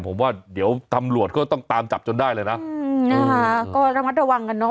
ผมว่าเดี๋ยวตำรวจก็ต้องตามจับจนได้เลยนะอืมนะคะก็ระมัดระวังกันเนอ